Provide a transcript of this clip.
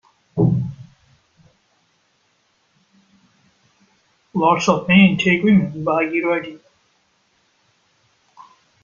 Lots of men take women buggy riding.